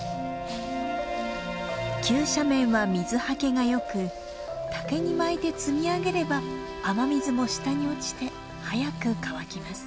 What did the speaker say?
急斜面は水はけがよく竹に巻いて積み上げれば雨水も下に落ちて早く乾きます。